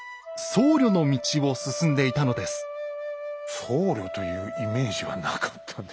僧侶というイメージはなかったんで。